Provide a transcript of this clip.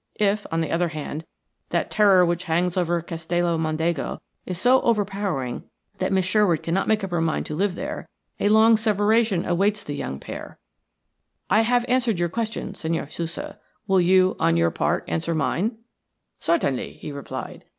If, on the other hand, that terror which hangs over Castello Mondego is so overpowering that Miss Sherwood cannot make up her mind to live there, a long separation awaits the young pair. I have answered your question, Senhor Sousa; will you, on your part, answer mine?" "Certainly," he replied.